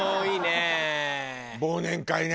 忘年会ね。